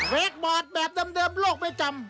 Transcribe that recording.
เคคบอร์ดแบบเดิมโลกไม่จำ